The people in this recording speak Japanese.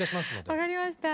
分かりました。